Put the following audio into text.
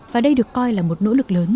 và đây được coi là một nỗ lực lớn